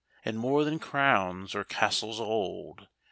And more than crowns, or castles old.